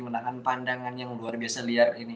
menahan pandangan yang luar biasa liar ini